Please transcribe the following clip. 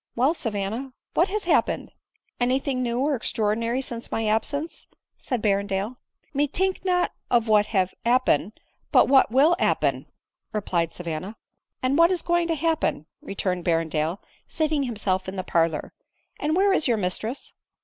" Well, Savanna, what has happened ? Any thing new ,\ or extraordinary since my absence ?" said Berrendale. " Me tink not of wat have appen, but wat will appen," replied Savauna. ^" And what is going to happen ?" returned Berrendale* seating himself in the parlor, " and where is your mis tress